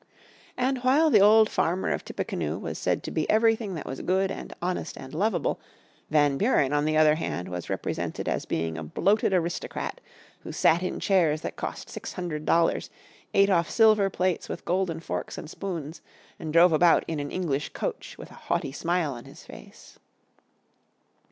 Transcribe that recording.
And while the old farmer of Tippecanoe was said to be everything that was good and honest and lovable, Van Buren on the other hand was represented as being a bloated aristocrat, who sat in chairs that cost six hundred dollars, ate off silver plates with golden forks and spoons, and drove about in an English coach with a haughty smile on his face.